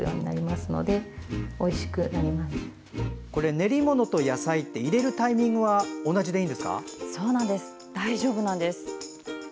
練り物と野菜入れるタイミング大丈夫なんです。